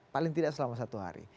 paling tidak selama satu hari